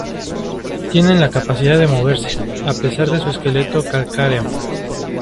Tienen la capacidad de moverse, a pesar de su esqueleto calcáreo.